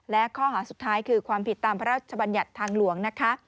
และข้อหาสุดท้ายคือความผิดตามพระราชบัญญัติทางหลวงนะคะ